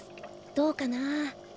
どうかな。